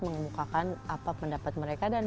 mengemukakan apa pendapat mereka dan